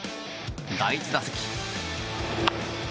第１打席。